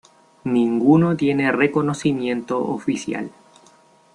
Ninguno tiene reconocimiento oficial.